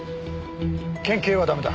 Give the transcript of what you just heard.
県警は駄目だ。